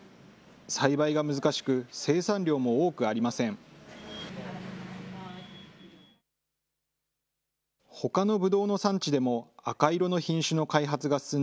栽培が難しく、生産量も多くありません。